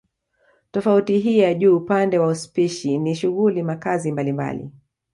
Tofauti hii ya juu upande wa spishi ni shughuli makazi mbalimbali